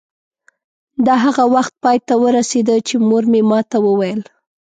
دا هغه وخت پای ته ورسېده چې مور مې ما ته وویل.